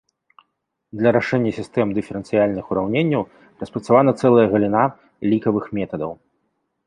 Для рашэння сістэм дыферэнцыяльных ураўненняў распрацавана цэлая галіна лікавых метадаў.